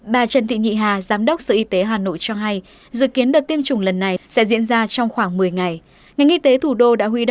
bà trần thị nhị hà giám đốc sở y tế hà nội cho hay dự kiến đợt tiêm chủng lần này sẽ diễn ra trong khoảng một mươi ngày